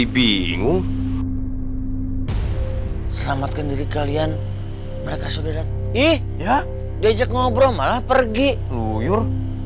bingung selamatkan diri kalian mereka sudah datang ih ya diajak ngobrol malah pergi luyur